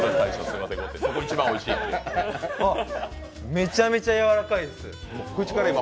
めちゃめちゃやわらかいです。